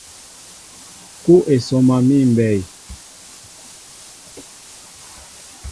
Kúw e sɔma míʼ mbɛy.